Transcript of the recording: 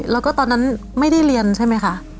แล้วก็ตอนนั้นไม่ได้เรียนใช่ไหมคะ